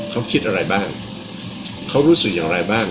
เขาคิดอะไรบ้างเขารู้สึกอย่างไรบ้าง